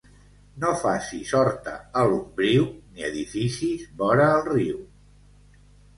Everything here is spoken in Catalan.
No facis horta a l'ombriu, ni edificis vora el riu.